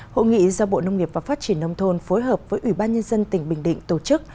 hội nghị do bộ nông nghiệp và phát triển nông thôn phối hợp với ủy ban nhân dân tỉnh bình định tổ chức